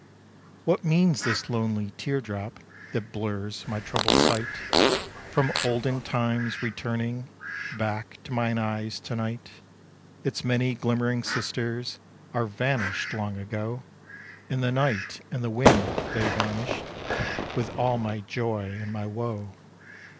What means this lonely tear drop That blurs my troubled sight, From olden times returning Back to mine eyes to night? Its many glimmering sisters Are vanished long ago, In the night and the wind they vanished With all my joy and my woe.